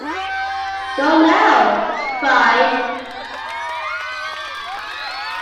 “Go now,” she cried.